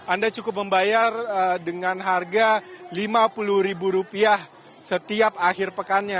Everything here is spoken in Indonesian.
anda cukup membayar dengan harga rp lima puluh ribu rupiah setiap akhir pekannya